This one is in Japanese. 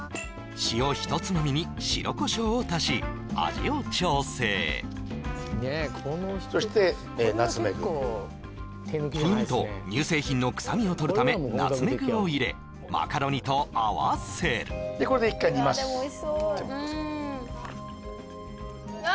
塩ひとつまみに白コショウを足し味を調整そしてポイント乳製品の臭みをとるためナツメグを入れマカロニと合わせるでこれで一回煮ますうわ